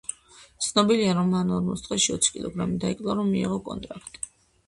ცნობილია, რომ მან ორმოც დღეში ოცი კილოგრამი დაიკლო, რომ მიეღო კონტრაქტი.